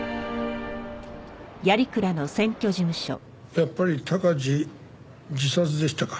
やっぱり鷹児自殺でしたか。